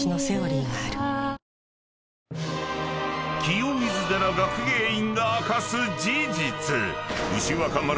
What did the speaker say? ［清水寺学芸員が明かす事実］